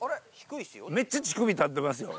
めっちゃ乳首立ってますよ。